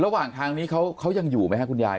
ระหว่างทางนี้เขายังอยู่ไหมครับคุณยาย